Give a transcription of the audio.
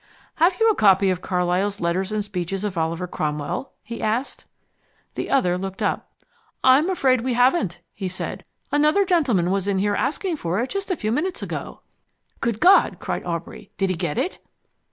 "Have you a copy of Carlyle's Letters and Speeches of Oliver Cromwell?" he asked. The other looked up. "I'm afraid we haven't," he said. "Another gentleman was in here asking for it just a few minutes ago." "Good God!" cried Aubrey. "Did he get it?"